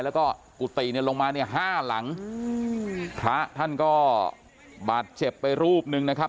แล้วก็กุฏิเนี่ยลงมาเนี่ยห้าหลังอืมพระท่านก็บาดเจ็บไปรูปหนึ่งนะครับ